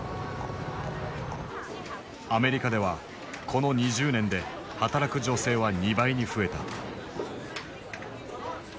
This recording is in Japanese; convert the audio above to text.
アメリカではこの２０年で働く女性は２倍に増えた。